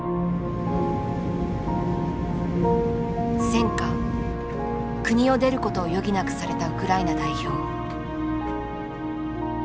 戦禍国を出ることを余儀なくされたウクライナ代表。